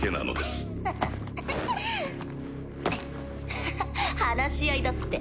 ははっ話し合いだって。